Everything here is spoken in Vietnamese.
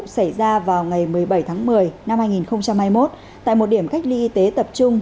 xảy ra vào ngày một mươi bảy tháng một mươi năm hai nghìn hai mươi một tại một điểm cách ly y tế tập trung